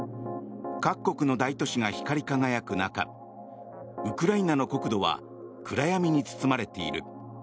各国の大都市が光り輝く中ウクライナの国土は暗闇に包まれている。